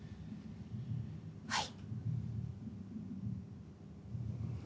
はい。